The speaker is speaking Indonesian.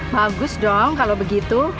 bagus dong kalau begitu